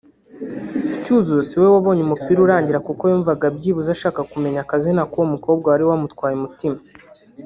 Cyuzuzo siwe wabonye umupira urangira kuko yumvaga byibuze ashaka kumenya akazina k’uwo mukobwa wari wamutwaye umutima